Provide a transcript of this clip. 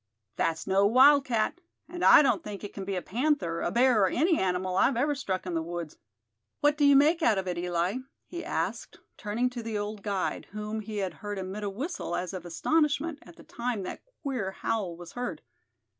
"That's no wildcat; and I don't think it can be a panther, a bear or any animal I've ever struck in the woods. What do you make out of it, Eli?" he asked, turning to the old guide, whom he had heard emit a whistle, as of astonishment, at the time that queer howl was heard.